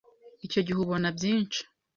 icyo gihe ubona byinshi,